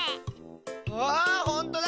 あほんとだ！